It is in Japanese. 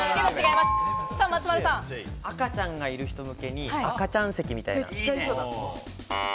赤ちゃんがいる人向けに赤ちゃん席みたいな。